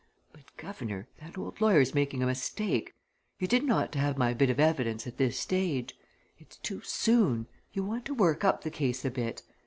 But guv'nor that old lawyer's making a mistake! You didn't ought to have my bit of evidence at this stage. It's too soon. You want to work up the case a bit.